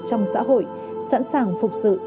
trong xã hội sẵn sàng phục sự